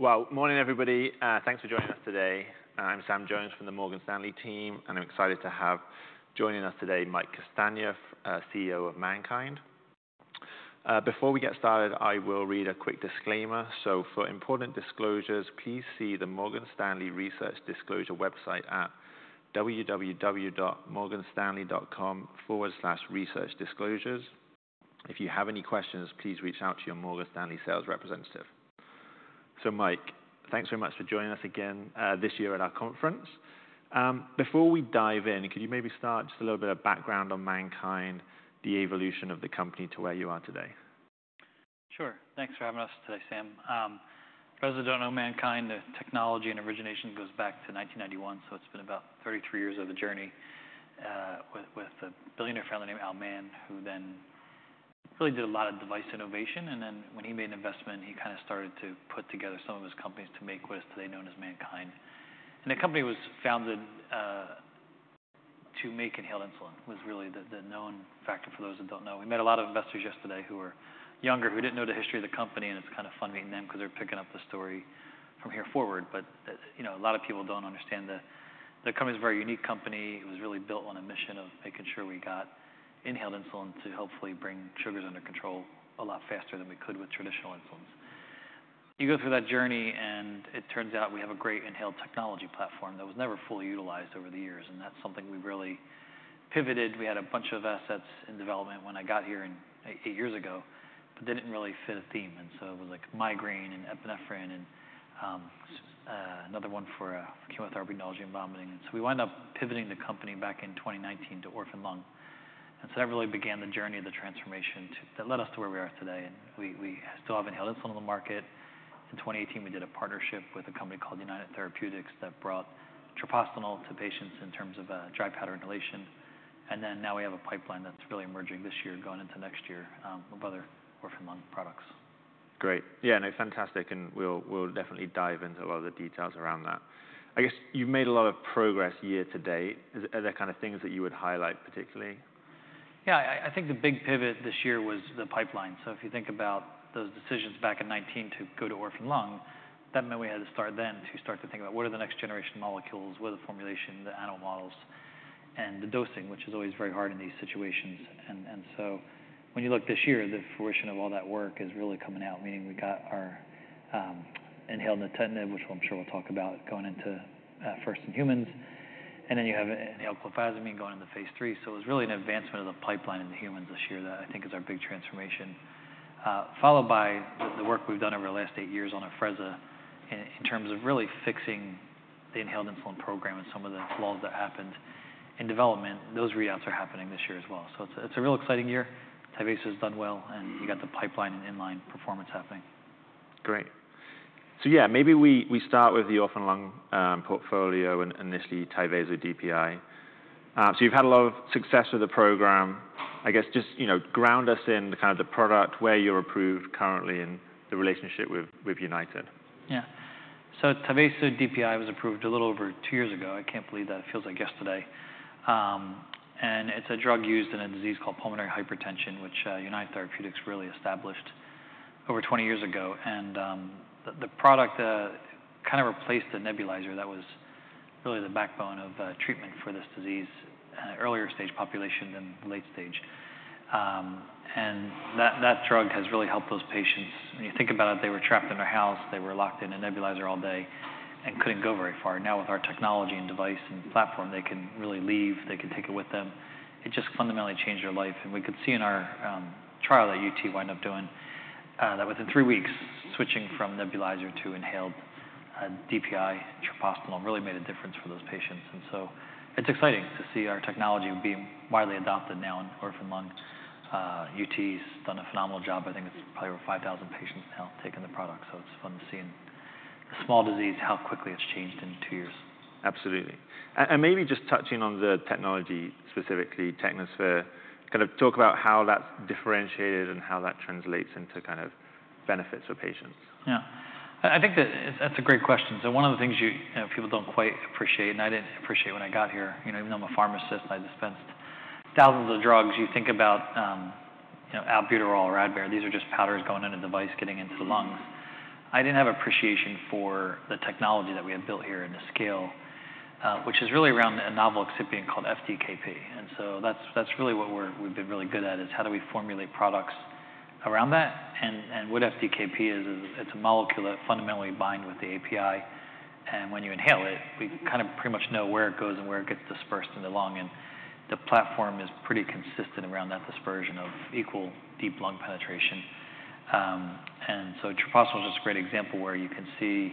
Well, morning, everybody. Thanks for joining us today. I'm Sam Jones from the Morgan Stanley team, and I'm excited to have joining us today, Mike Castagna, CEO of MannKind. Before we get started, I will read a quick disclaimer. So for important disclosures, please see the Morgan Stanley Research Disclosure website at www.morganstanley.com/researchdisclosures. If you have any questions, please reach out to your Morgan Stanley sales representative. So Mike, thanks very much for joining us again, this year at our conference. Before we dive in, could you maybe start just a little bit of background on MannKind, the evolution of the company to where you are today? Sure. Thanks for having us today, Sam. President of MannKind, the technology and origination goes back to nineteen ninety-one, so it's been about thirty-three years of a journey with a billionaire fellow named Al Mann, who then really did a lot of device innovation, and then when he made an investment, he kinda started to put together some of his companies to make what is today known as MannKind, and the company was founded to make inhaled insulin, was really the known factor for those who don't know. We met a lot of investors yesterday who were younger, who didn't know the history of the company, and it's kinda fun meeting them 'cause they're picking up the story from here forward, but you know, a lot of people don't understand the company's a very unique company. It was really built on a mission of making sure we got inhaled insulin to hopefully bring sugars under control a lot faster than we could with traditional insulins. You go through that journey, and it turns out we have a great inhaled technology platform that was never fully utilized over the years, and that's something we've really pivoted. We had a bunch of assets in development when I got here in eight years ago, but they didn't really fit a theme. And so it was like migraine and epinephrine and another one for chemotherapy, nausea, and vomiting. And so we wind up pivoting the company back in twenty nineteen to orphan lung. And so that really began the journey of the transformation to that led us to where we are today. And we still have inhaled insulin on the market. In 2018, we did a partnership with a company called United Therapeutics that brought treprostinil to patients in terms of a dry powder inhalation. Then now we have a pipeline that's really emerging this year, going into next year, of other orphan lung products. Great. Yeah, no, fantastic, and we'll, we'll definitely dive into a lot of the details around that. I guess you've made a lot of progress year to date. Are there kind of things that you would highlight particularly? Yeah, I think the big pivot this year was the pipeline. So if you think about those decisions back in 2019 to go to orphan lung, that meant we had to start then to think about what are the next generation molecules, what are the formulation, the animal models, and the dosing, which is always very hard in these situations. And so when you look this year, the fruition of all that work is really coming out, meaning we got our inhaled nintedanib, which I'm sure we'll talk about, going into first in humans. And then you have inhaled clofazimine going into phase III. So it was really an advancement of the pipeline in the humans this year that I think is our big transformation. Followed by the work we've done over the last eight years on Afrezza, in terms of really fixing the inhaled insulin program and some of the flaws that happened in development. Those readouts are happening this year as well. So it's a real exciting year. Tyvaso has done well, and you got the pipeline and in-line performance happening. Great. So yeah, maybe we start with the orphan lung portfolio and initially Tyvaso DPI. So you've had a lot of success with the program. I guess just, you know, ground us in the kind of the product, where you're approved currently, and the relationship with United. Yeah. So Tyvaso DPI was approved a little over two years ago. I can't believe that. It feels like yesterday. And it's a drug used in a disease called pulmonary hypertension, which United Therapeutics really established over twenty years ago. And the product kind of replaced the nebulizer. That was really the backbone of treatment for this disease at an earlier stage population than the late stage. And that drug has really helped those patients. When you think about it, they were trapped in their house. They were locked in a nebulizer all day and couldn't go very far. Now, with our technology and device and platform, they can really leave. They can take it with them. It just fundamentally changed their life. We could see in our trial that UT wound up doing that within three weeks, switching from nebulizer to inhaled DPI treprostinil, really made a difference for those patients. It's exciting to see our technology being widely adopted now in orphan lung. UT's done a phenomenal job. I think it's probably over five thousand patients now taking the product, so it's fun seeing a small disease, how quickly it's changed in two years. Absolutely. And maybe just touching on the technology, specifically Technosphere, kind of talk about how that's differentiated and how that translates into kind of benefits for patients. Yeah. I think that that's a great question. So one of the things you know, people don't quite appreciate, and I didn't appreciate when I got here, you know, even though I'm a pharmacist, I dispensed thousands of drugs, you think about, you know, albuterol or Advair, these are just powders going in a device, getting into the lungs. Mm-hmm. I didn't have appreciation for the technology that we have built here and the scale, which is really around a novel excipient called FDKP. So that's really what we've been really good at, is how do we formulate products around that? What FDKP is, it's a molecule that fundamentally bind with the API, and when you inhale it, we kind of pretty much know where it goes and where it gets dispersed in the lung. The platform is pretty consistent around that dispersion of equal deep lung penetration. Treprostinil is just a great example where you can see...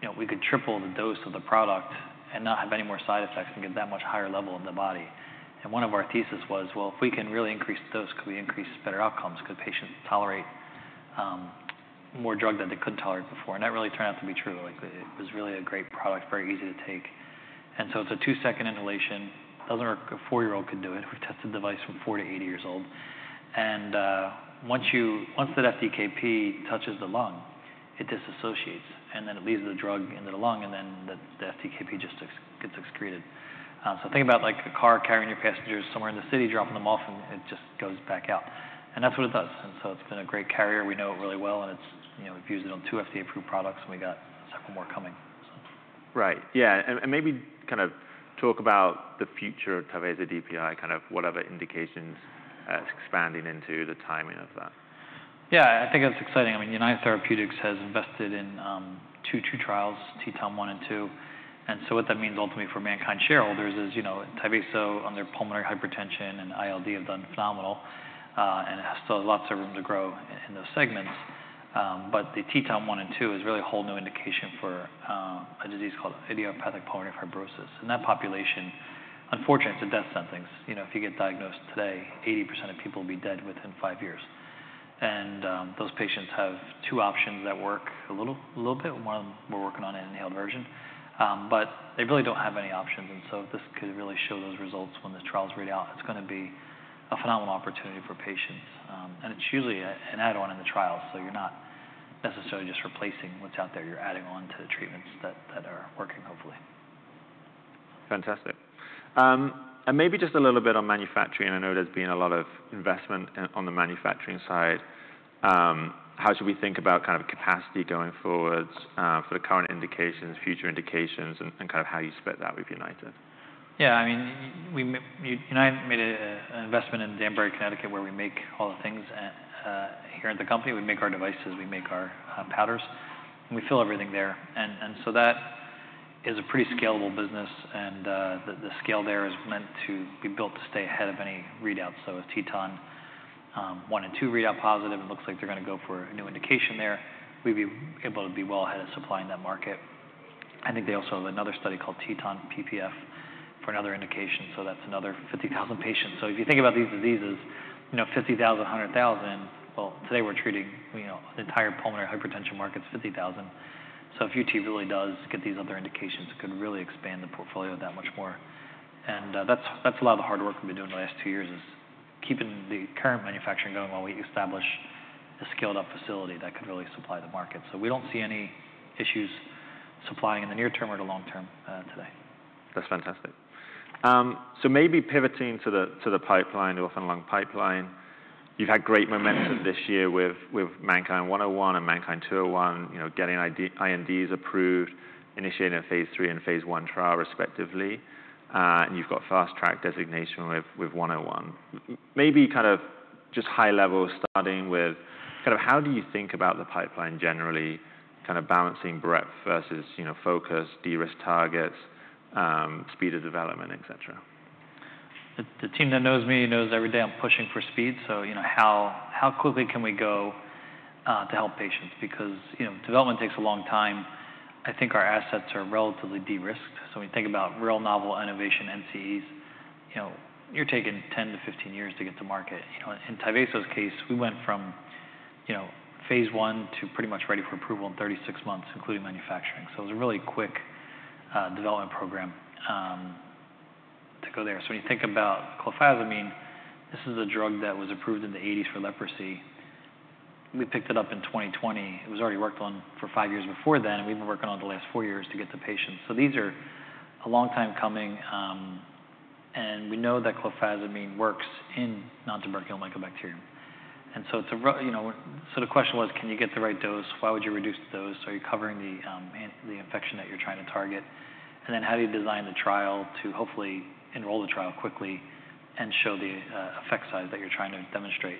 You know, we could triple the dose of the product and not have any more side effects and get that much higher level in the body. And one of our thesis was, well, if we can really increase the dose, could we increase better outcomes? Could patients tolerate more drug than they could tolerate before? And that really turned out to be true. Like, it was really a great product, very easy to take. And so it's a two-second inhalation. Or, a four-year-old could do it. We've tested the device from four to eighty years old. And once that FDKP touches the lung, it dissociates and then it leaves the drug into the lung, and then the FDKP just gets excreted. So think about like a car carrying your passengers somewhere in the city, dropping them off, and it just goes back out. And that's what it does, and so it's been a great carrier. We know it really well, and it's, you know, we've used it on two FDA-approved products, and we got several more coming, so. Right. Yeah, and maybe kind of talk about the future of Tyvaso DPI, kind of what other indications it's expanding into, the timing of that. Yeah, I think it's exciting. I mean, United Therapeutics has invested in two trials, TETON one and two. And so what that means ultimately for MannKind shareholders is, you know, Tyvaso, on their pulmonary hypertension and ILD have done phenomenal, and has still lots of room to grow in those segments. But the TETON one and two is really a whole new indication for a disease called idiopathic pulmonary fibrosis. And that population, unfortunately, it's a death sentence. You know, if you get diagnosed today, 80% of people will be dead within five years. And those patients have two options that work a little bit. One of them, we're working on an inhaled version. But they really don't have any options, and so if this could really show those results when the trials read out, it's gonna be a phenomenal opportunity for patients. And it's usually an add-on in the trial, so you're not necessarily just replacing what's out there. You're adding on to the treatments that are working, hopefully. Fantastic. And maybe just a little bit on manufacturing. I know there's been a lot of investment on the manufacturing side. How should we think about kind of capacity going forwards, for the current indications, future indications, and kind of how you split that with United? Yeah, I mean, we United made an investment in Danbury, Connecticut, where we make all the things. And here in the company, we make our devices, we make our powders, and we fill everything there. And so that is a pretty scalable business, and the scale there is meant to be built to stay ahead of any readout. So as TETON one and two readout positive, it looks like they're gonna go for a new indication there. We'd be able to be well ahead of supplying that market. I think they also have another study called TETON PPF for another indication, so that's another 50,000 patients. So if you think about these diseases, you know, 50,000, 100,000. Well, today we're treating, you know, the entire pulmonary hypertension market's 50,000. So if UT really does get these other indications, it could really expand the portfolio that much more. And, that's a lot of the hard work we've been doing the last two years, is keeping the current manufacturing going while we establish a scaled-up facility that could really supply the market. So we don't see any issues supplying in the near term or the long term, today. That's fantastic. So maybe pivoting to the pipeline, orphan lung pipeline. You've had great momentum this year with MNKD-101 and MNKD-201, you know, getting INDs approved, initiating a phase III and phase I trial, respectively, and you've got fast track designation with 101. Maybe kind of just high level, starting with kind of how do you think about the pipeline generally, kind of balancing breadth versus, you know, focus, de-risk targets, speed of development, et cetera? The team that knows me knows every day I'm pushing for speed. So you know, how quickly can we go to help patients? Because you know, development takes a long time. I think our assets are relatively de-risked. So when we think about real novel innovation, NCEs, you know, you're taking 10-15 years to get to market. You know, in Tyvaso's case, we went from you know, phase I to pretty much ready for approval in 36 months, including manufacturing. So it was a really quick development program to go there. So when you think about clofazimine, this is a drug that was approved in the 1980s for leprosy. We picked it up in 2020. It was already worked on for 5 years before then, and we've been working on it the last 4 years to get to patients. So these are a long time coming, and we know that clofazimine works in nontuberculous mycobacterium. And so it's a you know. So the question was: Can you get the right dose? Why would you reduce the dose? Are you covering the infection that you're trying to target? And then, how do you design the trial to hopefully enroll the trial quickly and show the effect size that you're trying to demonstrate?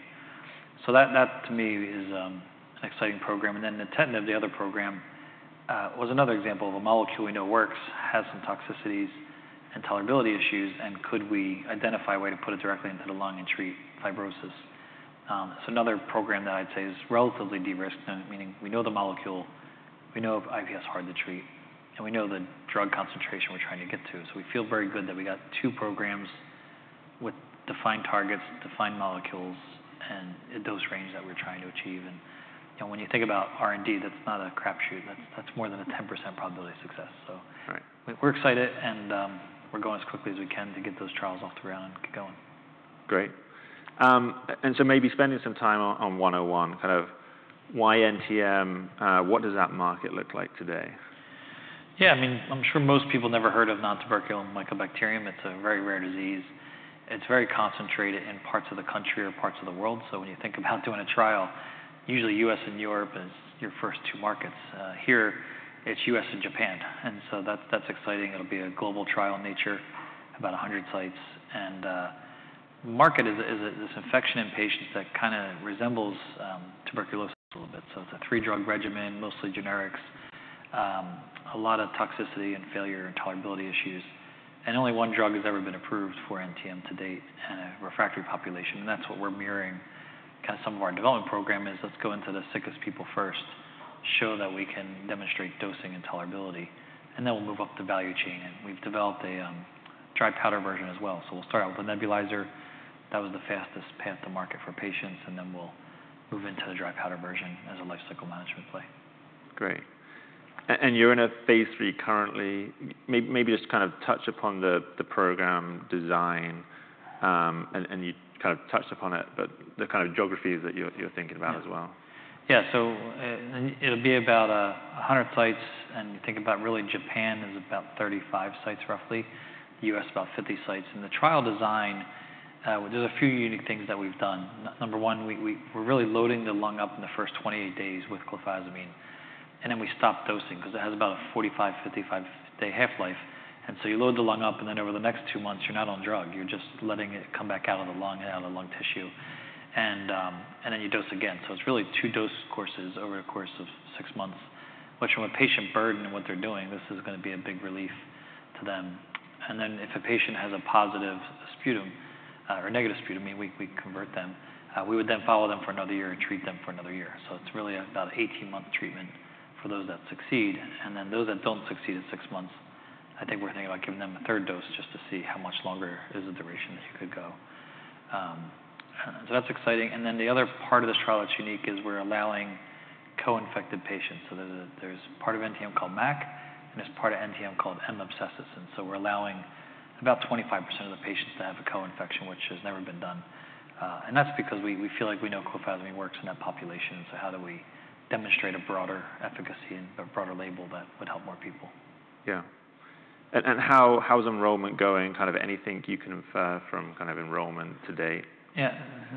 So that to me is an exciting program. And then nintedanib, the other program, was another example of a molecule we know works, has some toxicities and tolerability issues, and could we identify a way to put it directly into the lung and treat fibrosis? Another program that I'd say is relatively de-risked, meaning we know the molecule, we know IPF is hard to treat, and we know the drug concentration we're trying to get to. So we feel very good that we got two programs with defined targets, defined molecules, and a dose range that we're trying to achieve. You know, when you think about R&D, that's not a crapshoot. That's more than a 10% probability of success, so- Right. We're excited, and we're going as quickly as we can to get those trials off the ground and get going. Great. And so maybe spending some time on 101, kind of why NTM? What does that market look like today? Yeah, I mean, I'm sure most people never heard of nontuberculous mycobacteria. It's a very rare disease. It's very concentrated in parts of the country or parts of the world. So when you think about doing a trial, usually U.S. and Europe is your first two markets. Here, it's U.S. and Japan, and so that's exciting. It'll be a global trial in nature, about 100 sites, and market is a... This infection in patients that kind of resembles tuberculosis a little bit. So it's a three-drug regimen, mostly generics, a lot of toxicity and failure and tolerability issues, and only one drug has ever been approved for NTM to date in a refractory population, and that's what we're mirroring. Kind of some of our development program is, let's go into the sickest people first, show that we can demonstrate dosing and tolerability, and then we'll move up the value chain. And we've developed a dry powder version as well. So we'll start out with a nebulizer. That was the fastest path to market for patients, and then we'll move into the dry powder version as a lifecycle management play. Great. And you're in a phase III currently. Maybe just kind of touch upon the program design. And you kind of touched upon it, but the kind of geographies that you're thinking about as well? Yeah. So and it'll be about 100 sites, and you think about really Japan is about 35 sites, roughly, U.S., about 50 sites. And the trial design, there's a few unique things that we've done. Number one, we're really loading the lung up in the first 28 days with clofazimine, and then we stop dosing 'cause it has about a 45-55 day half-life. And so you load the lung up, and then over the next two months, you're not on drug. You're just letting it come back out of the lung and out of the lung tissue, and then you dose again. So it's really two dose courses over a course of six months, which from a patient burden and what they're doing, this is gonna be a big relief to them. Then, if a patient has a positive sputum or negative sputum, I mean, we convert them. We would then follow them for another year and treat them for another year. So it's really about 18-month treatment for those that succeed. Then those that don't succeed in six months, I think we're thinking about giving them a third dose just to see how much longer is the duration that you could go. And so that's exciting. Then the other part of this trial that's unique is we're allowing co-infected patients. So there's part of NTM called MAC, and there's part of NTM called M. abscessus. And so we're allowing about 25% of the patients to have a co-infection, which has never been done, and that's because we feel like we know clofazimine works in that population. So how do we demonstrate a broader efficacy and a broader label that would help more people? Yeah. And how's enrollment going? Kind of anything you can infer from kind of enrollment to date? Yeah.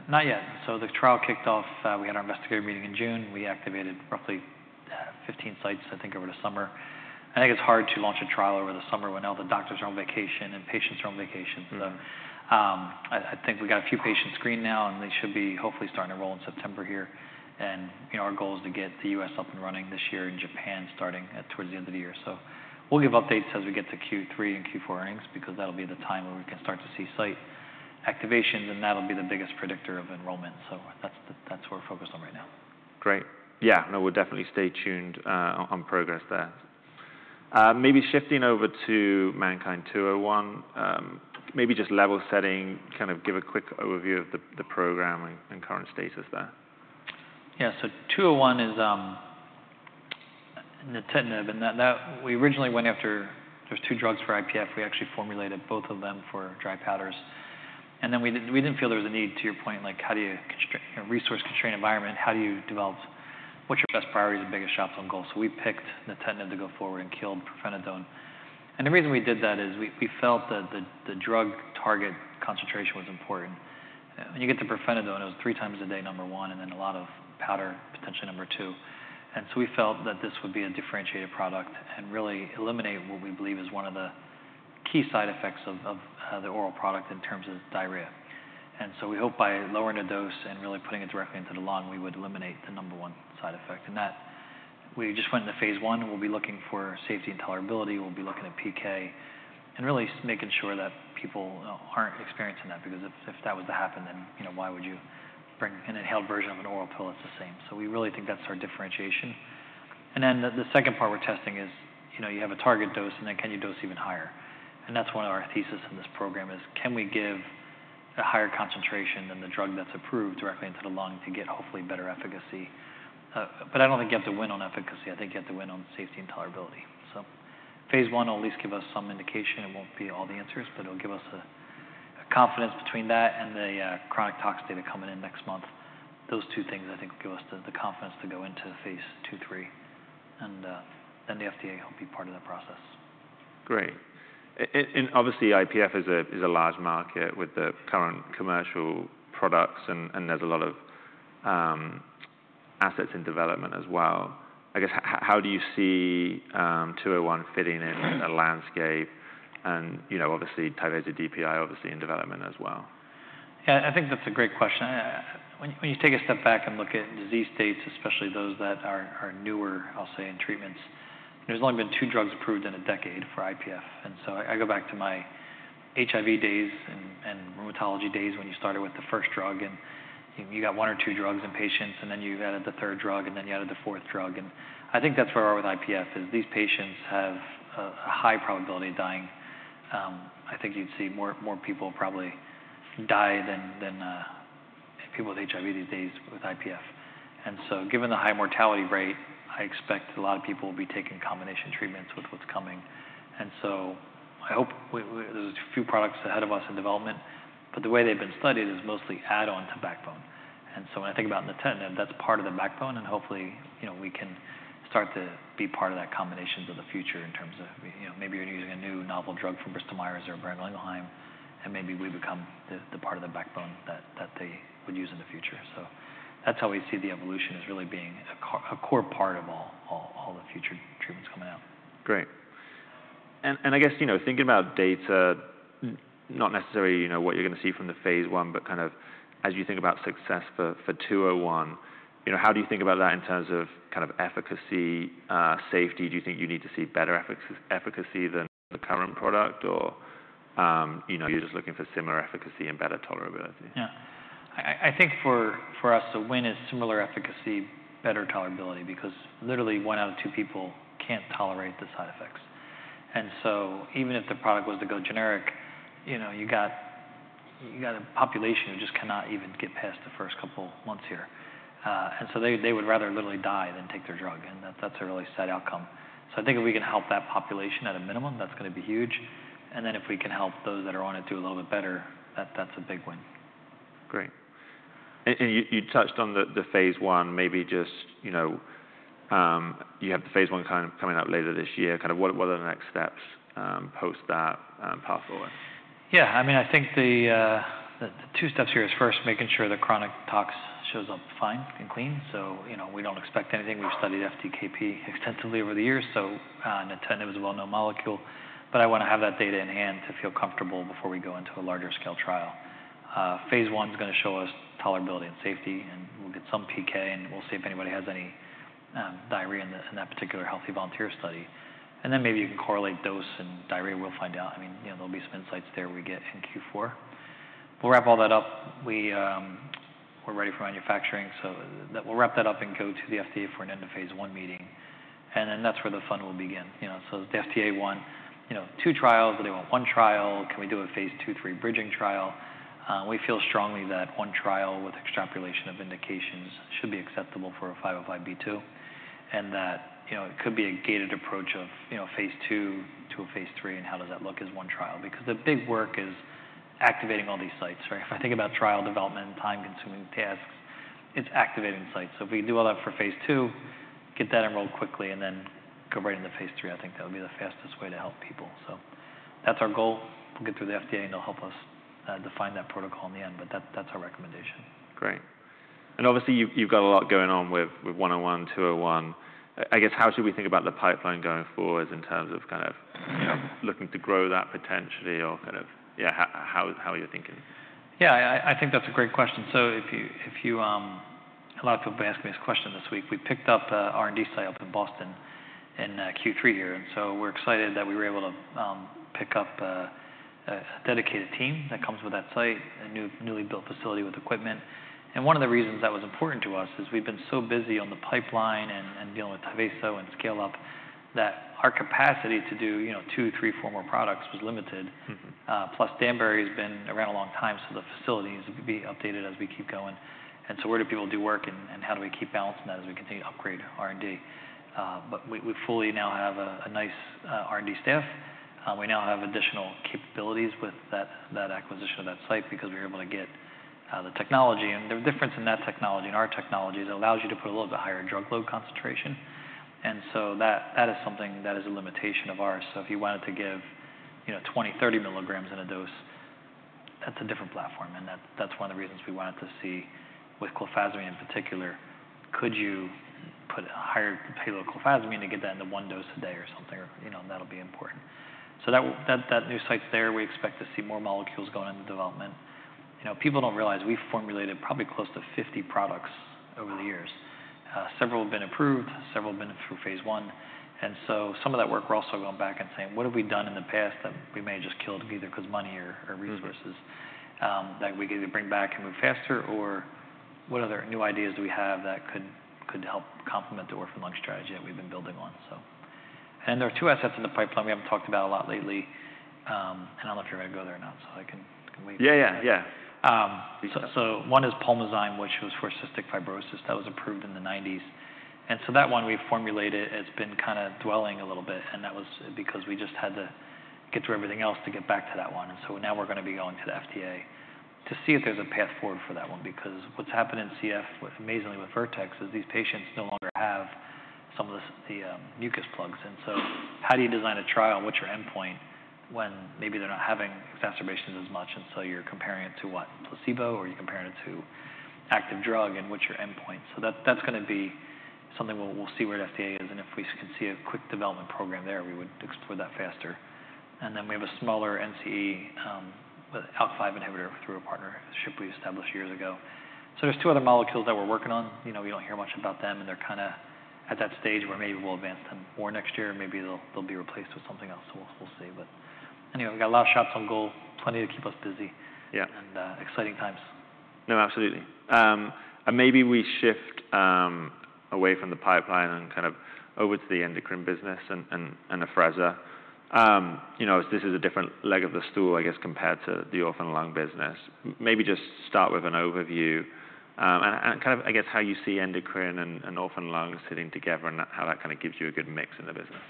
Not yet. So the trial kicked off. We had our investigator meeting in June. We activated roughly 15 sites, I think, over the summer. I think it's hard to launch a trial over the summer when all the doctors are on vacation and patients are on vacation. Mm-hmm. So, I think we've got a few patients screened now, and they should be hopefully starting to roll in September here. And, you know, our goal is to get the US up and running this year, and Japan starting at towards the end of the year. So we'll give updates as we get to Q3 and Q4 earnings, because that'll be the time where we can start to see site activation, and that'll be the biggest predictor of enrollment. So that's what we're focused on right now. Great. Yeah. No, we'll definitely stay tuned on progress there. Maybe shifting over to MNKD-201, maybe just level setting, kind of give a quick overview of the program and current status there. Yeah. So 201 is Nintedanib, and that we originally went after. There were two drugs for IPF. We actually formulated both of them for dry powders, and then we didn't feel there was a need, to your point, like, how do you constrain in a resource-constrained environment, how do you develop? What are your best priorities and biggest shots on goal? So we picked nintedanib to go forward and killed pirfenidone. And the reason we did that is we felt that the drug target concentration was important. When you get to pirfenidone, it was three times a day, number one, and then a lot of powder, potentially, number two. And so we felt that this would be a differentiated product and really eliminate what we believe is one of the key side effects of the oral product in terms of diarrhea. And so we hope by lowering the dose and really putting it directly into the lung, we would eliminate the number one side effect. And that we just went into phase I, and we'll be looking for safety and tolerability. We'll be looking at PK and really making sure that people aren't experiencing that, because if, if that was to happen, then, you know, why would you bring an inhaled version of an oral pill that's the same? So we really think that's our differentiation. And then the second part we're testing is, you know, you have a target dose, and then can you dose even higher? And that's one of our thesis in this program is: Can we give a higher concentration than the drug that's approved directly into the lung to get, hopefully, better efficacy? But I don't think you have to win on efficacy. I think you have to win on safety and tolerability. So phase I will at least give us some indication. It won't be all the answers, but it'll give us a confidence between that and the chronic tox data coming in next month. Those two things, I think, will give us the confidence to go into the phase II, III, and then the FDA will be part of the process. Great. And obviously, IPF is a large market with the current commercial products, and there's a lot of assets in development as well. I guess, how do you see 201 fitting in a landscape and, you know, obviously, Tyvaso DPI, obviously, in development as well? Yeah, I think that's a great question. When you take a step back and look at disease states, especially those that are newer, I'll say, in treatments, there's only been two drugs approved in a decade for IPF. And so I go back to my HIV days and rheumatology days when you started with the first drug, and you got one or two drugs in patients, and then you added the third drug, and then you added the fourth drug. And I think that's where we are with IPF, is these patients have a high probability of dying. I think you'd see more people probably die than people with HIV these days with IPF. And so, given the high mortality rate, I expect a lot of people will be taking combination treatments with what's coming. I hope we... There’s a few products ahead of us in development, but the way they’ve been studied is mostly add-on to backbone. And so when I think about Nintedanib, that’s part of the backbone, and hopefully, you know, we can start to be part of that combinations of the future in terms of, you know, maybe you’re using a new novel drug from Bristol Myers or Boehringer Ingelheim, and maybe we become the part of the backbone that they would use in the future. So that’s how we see the evolution as really being a core part of all the future treatments coming out. Great. And I guess, you know, thinking about data, not necessarily, you know, what you're gonna see from the phase I, but kind of as you think about success for 201, you know, how do you think about that in terms of kind of efficacy, safety? Do you think you need to see better efficacy than the current product or, you know, you're just looking for similar efficacy and better tolerability? Yeah. I think for us, the win is similar efficacy, better tolerability, because literally one out of two people can't tolerate the side effects. And so even if the product was to go generic, you know, you got a population who just cannot even get past the first couple months here. And so they would rather literally die than take their drug, and that's a really sad outcome. So I think if we can help that population at a minimum, that's gonna be huge. And then if we can help those that are on it do a little bit better, that's a big win. Great. And you touched on the phase I, maybe just, you know, you have the phase I kind of coming out later this year. Kind of what are the next steps post that path forward? Yeah, I mean, I think the two steps here is first making sure the chronic tox shows up fine and clean. So, you know, we don't expect anything. We've studied FDKP extensively over the years, so Nintedanib was a well-known molecule. But I wanna have that data in hand to feel comfortable before we go into a larger scale trial. Phase I gonna show us tolerability and safety, and we'll get some PK, and we'll see if anybody has any diarrhea in that particular healthy volunteer study. And then maybe you can correlate dose and diarrhea. We'll find out. I mean, you know, there'll be some insights there we get in Q4. We'll wrap all that up. We're ready for manufacturing, so that... We'll wrap that up and go to the FDA for an end of phase I meeting, and then that's where the fun will begin. You know, so the FDA want, you know, two trials, or they want one trial. Can we do a phase II, three bridging trial? We feel strongly that one trial with extrapolation of indications should be acceptable for a 505(b)(2), and that, you know, it could be a gated approach of, you know, phase II to a phase III, and how does that look as one trial? Because the big work is activating all these sites, right? If I think about trial development and time-consuming tasks, it's activating sites. So if we do all that for phase II, get that enrolled quickly, and then go right into phase III, I think that would be the fastest way to help people. So that's our goal. We'll get through the FDA, and they'll help us define that protocol in the end, but that's our recommendation. Great. And obviously, you've got a lot going on with one oh one, two oh one. I guess, how should we think about the pipeline going forward in terms of kind of, you know, looking to grow that potentially or kind of... Yeah, how are you thinking? Yeah, I think that's a great question. So, a lot of people have been asking me this question this week. We picked up a R&D site up in Boston in Q3 here, and so we're excited that we were able to pick up a dedicated team that comes with that site, a newly built facility with equipment. And one of the reasons that was important to us is we've been so busy on the pipeline and dealing with Tyvaso and scale-up, that our capacity to do, you know, two, three, four more products was limited. Mm-hmm. Plus Danbury has been around a long time, so the facilities would be updated as we keep going. Where do people do work, and how do we keep balancing that as we continue to upgrade R&D? But we fully now have a nice R&D staff. We now have additional capabilities with that acquisition of that site because we were able to get the technology. The difference in that technology and our technology is it allows you to put a little bit higher drug load concentration, and so that is something that is a limitation of ours. So if you wanted to give, you know, twenty, thirty milligrams in a dose, that's a different platform, and that's one of the reasons we wanted to see, with clofazimine in particular, could you put a higher payload clofazimine to get that into one dose a day or something? You know, that'll be important. So that new site there, we expect to see more molecules going into development. You know, people don't realize we've formulated probably close to fifty products over the years. Wow! Several have been approved, several have been through phase I, and so some of that work, we're also going back and saying: "What have we done in the past that we may have just killed, either because money or resources- Mm-hmm... that we could either bring back and move faster, or what other new ideas do we have that could help complement the orphan lung strategy that we've been building on, and there are two assets in the pipeline we haven't talked about a lot lately, and I'll let you ready to go there now, so I can wait. Yeah, yeah, yeah. So one is Pulmozyme, which was for cystic fibrosis. That was approved in the 1990s. And so that one, we formulated. It's been kind of dwelling a little bit, and that was because we just had to get through everything else to get back to that one. And so now we're gonna be going to the FDA to see if there's a path forward for that one, because what's happened in CF with, amazingly with Vertex, is these patients no longer have some of the mucus plugs. And so how do you design a trial? What's your endpoint when maybe they're not having exacerbations as much, and so you're comparing it to what? Placebo, or are you comparing it to active drug, and what's your endpoint? So that's gonna be something we'll, we'll see where the FDA is, and if we can see a quick development program there, we would explore that faster. And then we have a smaller NCE with ALK-5 inhibitor through a partner, Shipley, established years ago. So there's two other molecules that we're working on. You know, we don't hear much about them, and they're kind of at that stage where maybe we'll advance them more next year, or maybe they'll, they'll be replaced with something else. So we'll, we'll see. But anyway, we've got a lot of shots on goal, plenty to keep us busy. Yeah. Exciting times. No, absolutely. And maybe we shift away from the pipeline and kind of over to the endocrine business and Afrezza. You know, this is a different leg of the stool, I guess, compared to the orphan lung business. Maybe just start with an overview, and kind of, I guess, how you see endocrine and orphan lungs sitting together, and how that kind of gives you a good mix in the business.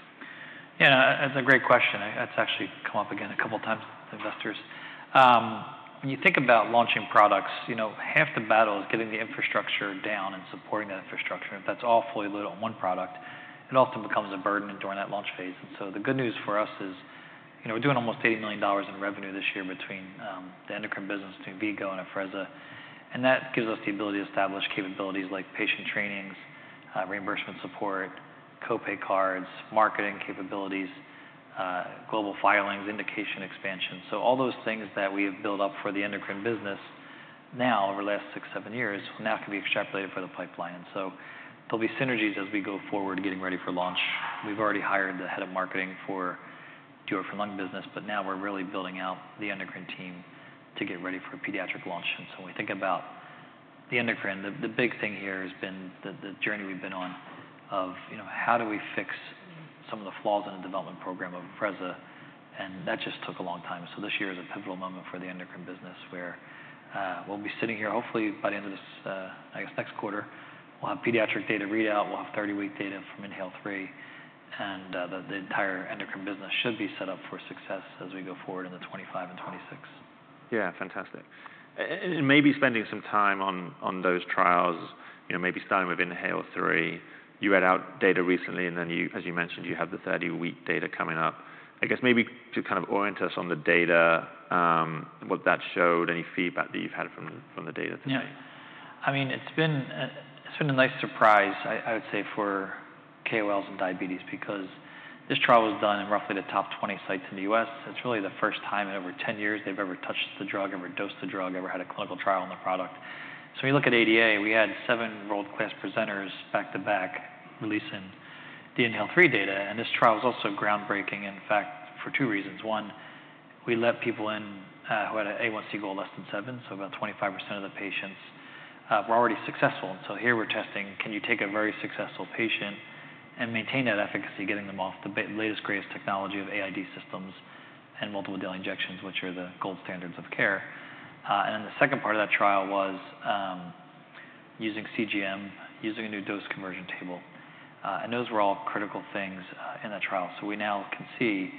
Yeah, that's a great question. That's actually come up again a couple of times with investors. When you think about launching products, you know, half the battle is getting the infrastructure down and supporting that infrastructure. If that's all fully loaded on one product, it often becomes a burden during that launch phase. And so the good news for us is, you know, we're doing almost $80 million in revenue this year between the endocrine business, between V-Go and Afrezza, and that gives us the ability to establish capabilities like patient trainings, reimbursement support, co-pay cards, marketing capabilities, global filings, indication expansion. So all those things that we've built up for the endocrine business now, over the last six, seven years, now can be extrapolated for the pipeline. So there'll be synergies as we go forward, getting ready for launch. We've already hired the head of marketing for the orphan lung business, but now we're really building out the endocrine team to get ready for a pediatric launch, and so when we think about the endocrine, the big thing here has been the journey we've been on of, you know, how do we fix some of the flaws in the development program of Afrezza, and that just took a long time, so this year is a pivotal moment for the endocrine business, where we'll be sitting here hopefully by the end of this, I guess, next quarter, we'll have pediatric data readout, we'll have 30-week data from INHALE-3, and the entire endocrine business should be set up for success as we go forward into 2025 and 2026. Yeah. Fantastic. And maybe spending some time on those trials, you know, maybe starting with INHALE-3. You read out data recently, and then you, as you mentioned, you have the 30-week data coming up. I guess maybe to kind of orient us on the data, what that showed, any feedback that you've had from the data today? Yeah. I mean, it's been a nice surprise, I would say, for KOLs and diabetes, because this trial was done in roughly the top 20 sites in the U.S. It's really the first time in over 10 years they've ever touched the drug, ever dosed the drug, ever had a clinical trial on the product. So when you look at ADA, we had seven world-class presenters back-to-back, releasing the INHALE-3 data, and this trial was also groundbreaking, in fact, for two reasons: one, we let people in who had A1C goal less than seven, so about 25% of the patients were already successful. So here we're testing, can you take a very successful patient and maintain that efficacy, getting them off the latest, greatest technology of AID systems and multiple daily injections, which are the gold standards of care. And then the second part of that trial was using CGM, using a new dose conversion table, and those were all critical things in the trial. So we now can see,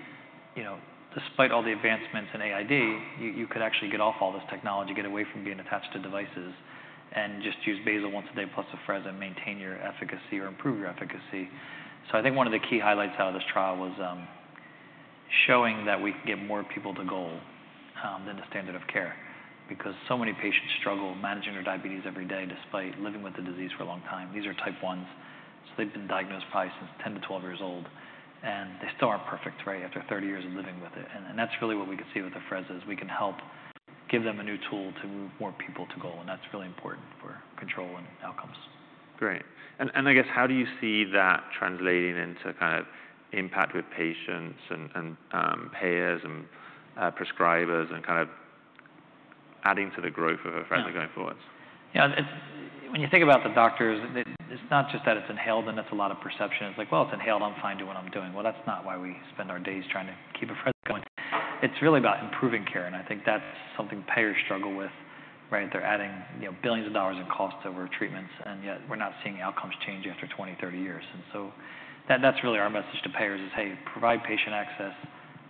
you know, despite all the advancements in AID, you could actually get off all this technology, get away from being attached to devices, and just use basal once a day, plus Afrezza, and maintain your efficacy or improve your efficacy. So I think one of the key highlights out of this trial was showing that we can get more people to goal than the standard of care, because so many patients struggle managing their diabetes every day despite living with the disease for a long time. These are Type 1s, so they've been diagnosed probably since 10 to 12 years old, and they still aren't perfect, right? After 30 years of living with it, and, and that's really what we could see with Afrezza, is we can help give them a new tool to move more people to goal, and that's really important for control and outcomes. Great. And I guess, how do you see that translating into kind of impact with patients and payers and prescribers, and kind of adding to the growth of Afrezza? Yeah -going forwards? Yeah. When you think about the doctors, it's not just that it's inhaled, and it's a lot of perception. It's like, "Well, it's inhaled. I'm fine doing what I'm doing." Well, that's not why we spend our days trying to keep Afrezza going. It's really about improving care, and I think that's something payers struggle with, right? They're adding, you know, billions of dollars in costs over treatments, and yet we're not seeing outcomes change after 20, 30 years. And so that's really our message to payers is, "Hey, provide patient access.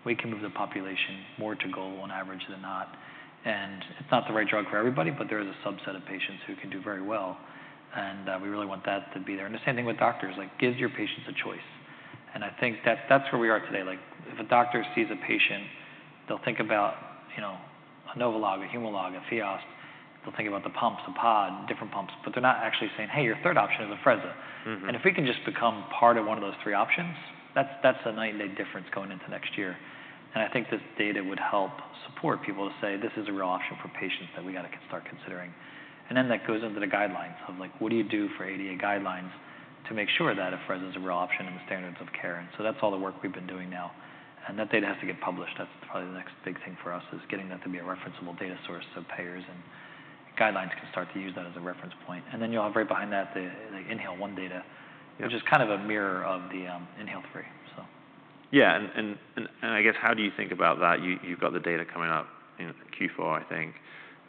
We can move the population more to goal on average than not." And it's not the right drug for everybody, but there is a subset of patients who can do very well, and we really want that to be there. The same thing with doctors, like, give your patients a choice, and I think that's, that's where we are today. Like, if a doctor sees a patient, they'll think about, you know, a NovoLog, a Humalog, a Fiasp. They'll think about the pumps, the pod, different pumps, but they're not actually saying, "Hey, your third option is Afrezza. Mm-hmm. And if we can just become part of one of those three options, that's, that's a night and day difference going into next year. And I think this data would help support people to say, "This is a real option for patients that we gotta start considering." And then that goes into the guidelines of, like, what do you do for ADA guidelines to make sure that Afrezza is a real option in the standards of care? And so that's all the work we've been doing now, and that data has to get published. That's probably the next big thing for us, is getting that to be a referenceable data source, so payers and guidelines can start to use that as a reference point. And then you'll have, right behind that, the INHALE-1 data- Yeah -which is kind of a mirror of the INHALE-3, so. Yeah. And I guess, how do you think about that? You've got the data coming up in Q4, I think.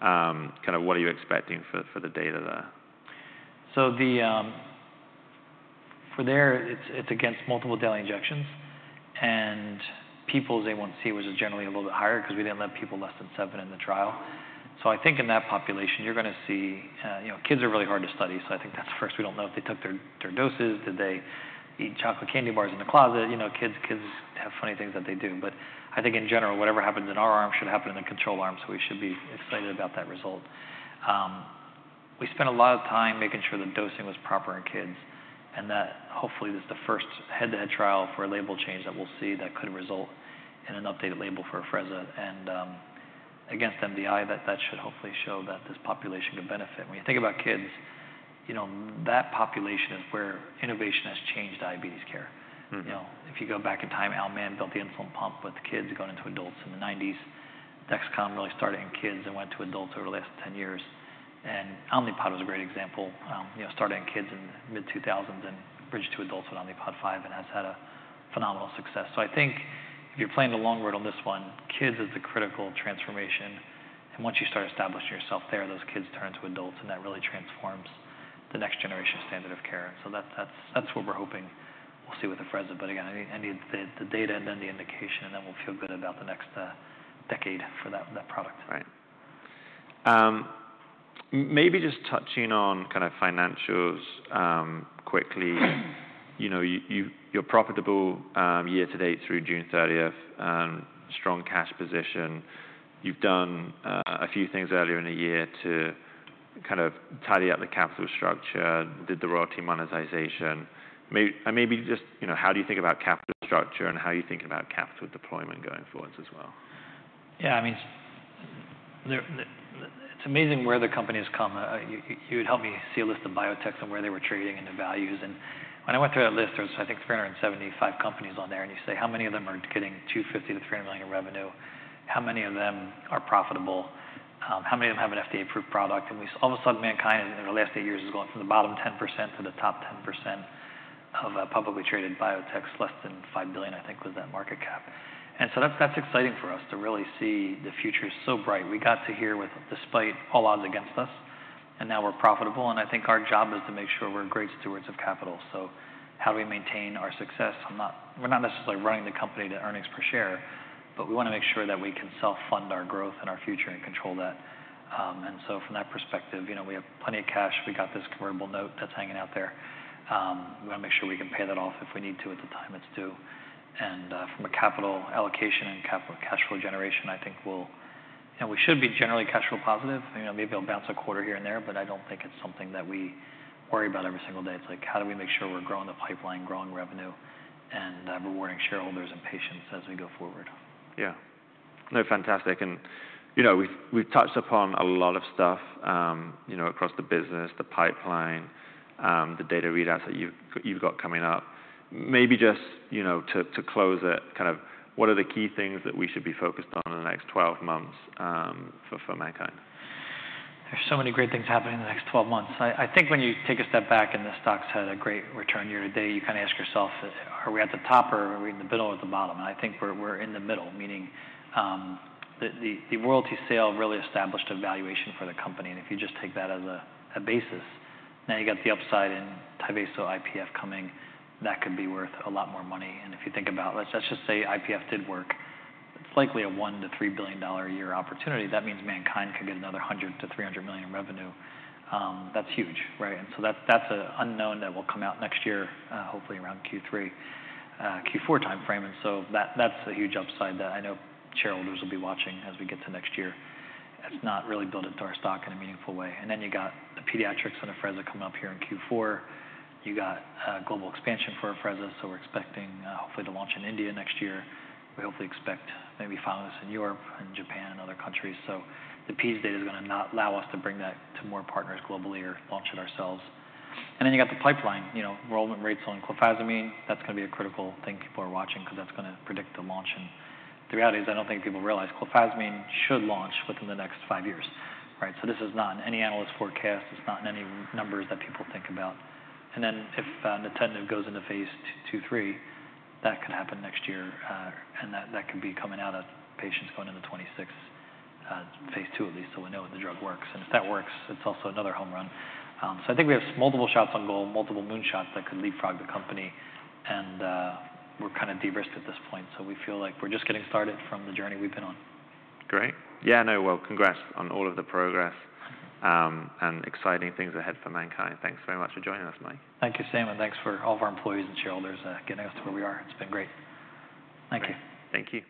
Kind of what are you expecting for the data there? It's against multiple daily injections, and people's A1C, which is generally a little bit higher, 'cause we didn't let people less than seven in the trial. So I think in that population, you're gonna see you know, kids are really hard to study, so I think that's first. We don't know if they took their doses. Did they eat chocolate candy bars in the closet? You know, kids have funny things that they do. But I think in general, whatever happens in our arm should happen in the control arm, so we should be excited about that result. We spent a lot of time making sure the dosing was proper in kids, and that hopefully, this is the first head-to-head trial for a label change that we'll see that could result in an updated label for Afrezza. Against MDI, that should hopefully show that this population could benefit. When you think about kids, you know, that population is where innovation has changed diabetes care. Mm-hmm. You know, if you go back in time, Al Mann built the insulin pump with the kids going into adults in the 1990s. Dexcom really started in kids and went to adults over the last ten years. And Omnipod was a great example, you know, started in kids in mid-2000s and bridged to adults with Omnipod 5, and has had a phenomenal success. So I think if you're playing the long road on this one, kids is the critical transformation. And once you start establishing yourself there, those kids turn to adults, and that really transforms the next generation standard of care. So that's what we're hoping. We'll see with Afrezza, but again, I need the data and then the indication, and then we'll feel good about the next decade for that product. Right. Maybe just touching on kind of financials, quickly. You know, you, you're profitable, year to date through June thirtieth, and strong cash position. You've done a few things earlier in the year to kind of tidy up the capital structure, did the royalty monetization. Maybe just, you know, how do you think about capital structure, and how you think about capital deployment going forwards as well? Yeah, I mean, it's amazing where the company has come. You would help me see a list of biotechs and where they were trading and the values. And when I went through that list, there was, I think, 375 companies. You say how many of them are getting $250-$300 million in revenue? How many of them are profitable? How many of them have an FDA-approved product? And we all of a sudden, MannKind, in the last eight years, is going from the bottom 10% to the top 10% of publicly traded biotechs, less than $5 billion, I think, was that market cap. And so that's exciting for us to really see the future is so bright. We got to here despite all odds against us, and now we're profitable, and I think our job is to make sure we're great stewards of capital. So how do we maintain our success? We're not necessarily running the company to earnings per share, but we wanna make sure that we can self-fund our growth and our future and control that. And so from that perspective, you know, we have plenty of cash. We got this convertible note that's hanging out there. We wanna make sure we can pay that off if we need to, at the time it's due. And from a capital allocation and cash flow generation, I think we'll. And we should be generally cash flow positive. You know, maybe it'll bounce a quarter here and there, but I don't think it's something that we worry about every single day. It's like, how do we make sure we're growing the pipeline, growing revenue, and, rewarding shareholders and patients as we go forward? Yeah. No, fantastic. And, you know, we've touched upon a lot of stuff, you know, across the business, the pipeline, the data readouts that you've got coming up. Maybe just, you know, to close it, kind of, what are the key things that we should be focused on in the next twelve months, for MannKind? There's so many great things happening in the next twelve months. I think when you take a step back, and the stock's had a great return year to date, you kinda ask yourself, "Are we at the top or are we in the middle or at the bottom?" And I think we're in the middle, meaning the royalty sale really established a valuation for the company, and if you just take that as a basis, now you got the upside in Tyvaso IPF coming. That could be worth a lot more money. And if you think about... Let's just say IPF did work. It's likely a $1-$3 billion a year opportunity. That means MannKind could get another $100-$300 million in revenue. That's huge, right? And so that's an unknown that will come out next year, hopefully around Q3, Q4 timeframe. That's a huge upside that I know shareholders will be watching as we get to next year. That's not really built into our stock in a meaningful way. You got the pediatrics and Afrezza coming up here in Q4. You got global expansion for Afrezza, so we're expecting, hopefully to launch in India next year. We hopefully expect maybe filings in Europe and Japan and other countries. So the phase III data is gonna not allow us to bring that to more partners globally or launch it ourselves. You got the pipeline, you know, enrollment rates on clofazimine. That's gonna be a critical thing people are watching 'cause that's gonna predict the launch. The reality is, I don't think people realize clofazimine should launch within the next five years, right? So this is not in any analyst forecast. It's not in any numbers that people think about. And then if nintedanib goes into phase II/III, that could happen next year, and that could be coming out of patients going into 2026, phase II at least, so we know when the drug works. And if that works, it's also another home run. So I think we have multiple shots on goal, multiple moonshots that could leapfrog the company, and we're kind of de-risked at this point. So we feel like we're just getting started from the journey we've been on. Great. Yeah, I know. Well, congrats on all of the progress, and exciting things ahead for MannKind. Thanks very much for joining us, Mike. Thank you, Sam, and thanks for all of our employees and shareholders, getting us to where we are. It's been great. Thank you. Thank you.